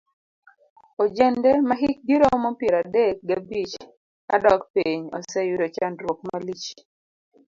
Ojende mahikgi romo piero adek gabich kadok piny oseyudo chandruok malich.